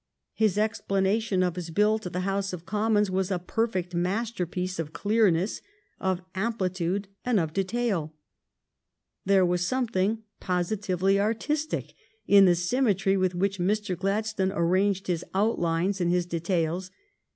His explanation of his bill to the House of Commons was a perfect masterpiece of clearness, of ampli tude, and of detail. There was something posi tively artistic in the symmetry with which Mr. Gladstone arranged his outlines and his details.